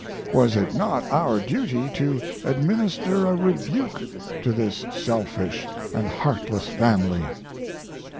Was it not our duty to administer a rebuke to this selfish and heartless Family?